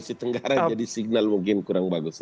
jadi signal mungkin kurang bagus